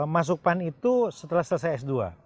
masuk pan itu setelah selesai s dua